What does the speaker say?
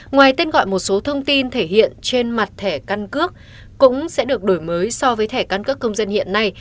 ngoài tên gọi một số thông tin thể hiện trên mặt thẻ căn cước cũng sẽ được đổi mới so với thẻ căn cước công dân hiện nay